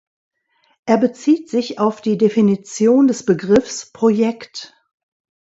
Er bezieht sich auf die Definition des Begriffs "Projekt".